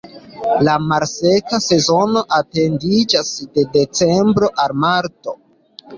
La malseka sezono etendiĝas de decembro al marto.